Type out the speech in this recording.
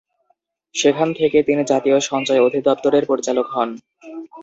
সেখান থেকে তিনি জাতীয় সঞ্চয় অধিদপ্তরের পরিচালক হন।